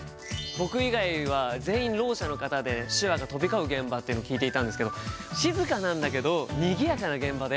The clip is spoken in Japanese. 僕以外は全員ろう者の方で手話が飛び交う現場というのを聞いていたんですけど静かなんだけどにぎやかな現場だよって。